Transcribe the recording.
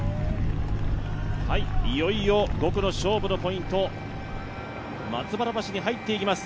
いよいよ５区の勝負のポイント、松原橋に入っていきます。